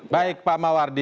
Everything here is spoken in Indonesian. baik pak mawardi